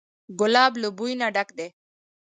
ګلاب له بوی نه ډک دی.